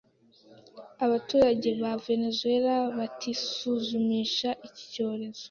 abaturage ba Venezuela batisuzumisha iki cyorezo